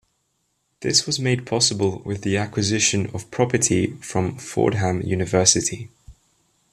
This was made possible with the acquisition of property from Fordham University.